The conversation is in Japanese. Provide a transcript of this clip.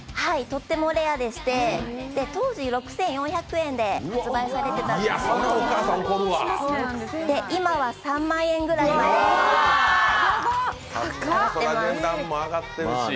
とってもレアでして、当時６４００円で発売されてたんですが、今は３万円ぐらいに上がってます。